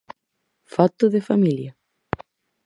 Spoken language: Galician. Foto de familia.